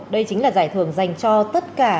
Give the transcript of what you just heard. đây chính là giải thưởng dành cho tất cả